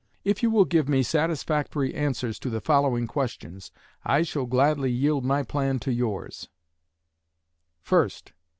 If you will give me satisfactory answers to the following questions, I shall gladly yield my plan to yours: 1st.